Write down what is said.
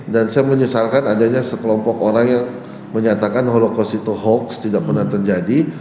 dan saya menyesalkan adanya sekelompok orang yang menyatakan holocaust itu hoax tidak pernah terjadi